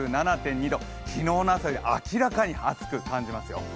２度、昨日の朝より明らかに暑く感じますよ。